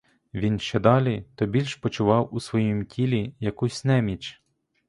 Він щодалі, то більш почував у своїм тілі якусь неміч.